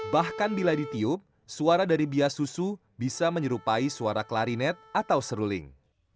bahkan bila ditiup suara dari biasusu bisa menyerupai suara klarinet atau seruling